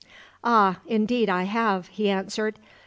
"Ah, indeed I have!" he answered.